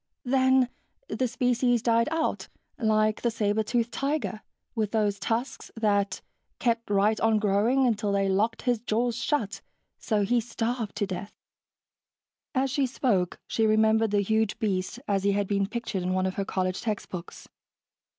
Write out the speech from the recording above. "Then the species died out, like the saber tooth tiger, with those tusks that kept right on growing until they locked his jaws shut, so he starved to death." As she spoke, she remembered the huge beast as he had been pictured in one of her college textbooks.